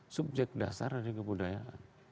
kalau subjek dasar adalah kebudayaan